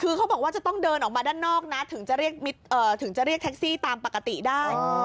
คือเขาบอกว่าจะต้องเดินออกมาด้านนอกนะถึงจะถึงจะเรียกแท็กซี่ตามปกติได้